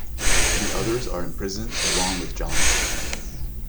The others are imprisoned along with Johnston.